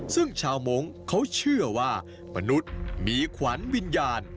ซึ่งชาวมงค์เขาเชื่อว่ามนุษย์มีขวัญวิญญาณ